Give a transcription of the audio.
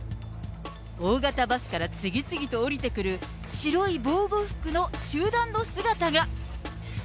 大型バスから次々と降りてくる白い防護服の集団の姿が。